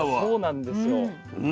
そうなんですよ。